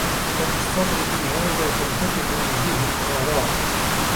فَبِالصَّبْرِ فِي هَذَا تَنْفَتِحُ وُجُوهُ الْآرَاءِ